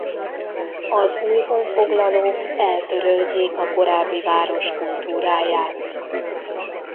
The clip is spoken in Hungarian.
Az új honfoglalók eltörölték a korábbi város kultúráját.